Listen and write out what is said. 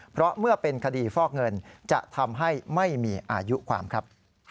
เพราะเมื่อเป็นคดีฟอกเงินจะทำให้ไม่มีอายุความครับ